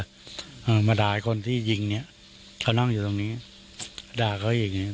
เออมาด่าไอคนที่ยิงเนี้ยเขานั่งอยู่ตรงนี้ด่าก็ยิงเนี้ย